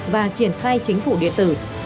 và triển khai chính phủ điện tử